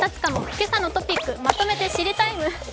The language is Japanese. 「けさのトピックまとめて知りＴＩＭＥ，」。